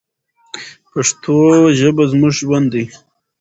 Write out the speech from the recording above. پښتو ژبه زموږ ژوند دی.